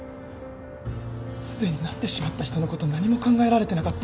すでになってしまった人のこと何も考えられてなかった。